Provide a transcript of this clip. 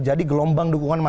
jangan dulu dong